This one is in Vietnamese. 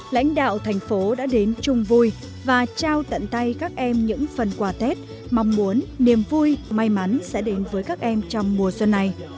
lãnh đạo thành phố đã đến chung vui và trao tận tay các em những phần quà tết mong muốn niềm vui may mắn sẽ đến với các em trong mùa xuân này